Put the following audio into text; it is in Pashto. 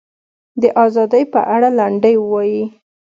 د ازادۍ په اړه لنډۍ ووایي.